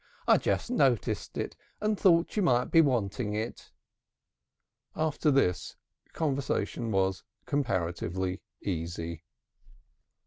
I just noticed it, and thought you might be wanting it." After this, conversation was comparatively easy.